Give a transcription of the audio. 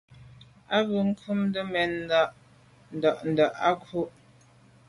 A be ghubte mèn nda’nda’ à kwù.